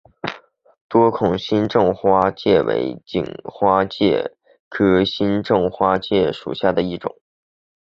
多孔新正花介为荆花介科新正花介属下的一个种。